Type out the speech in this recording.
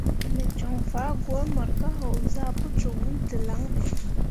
Me joŋ fah gwǝ mor ka haozah pǝ cok wul dǝlaŋ ɓe.